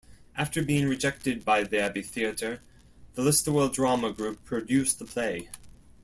After being rejected by the Abbey Theatre, The Listowel Drama Group produced the play.